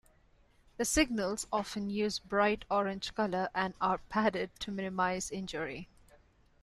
The signals often use bright orange color and are padded to minimize injury.